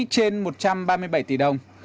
một trăm ba mươi bảy tỷ đồng